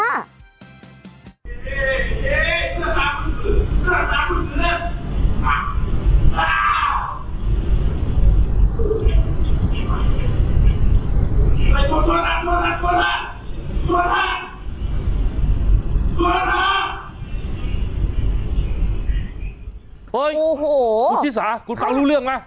เฮ้ยปุทธิสาปุทธิสาปุทธิสาคุณฟังรู้เรื่องไหม